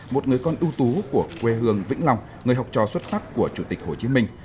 một người con ưu tú của quê hương vĩnh long người học trò xuất sắc của chủ tịch hồ chí minh